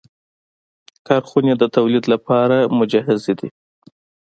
کارخونې د تولید لپاره مجهزې دي.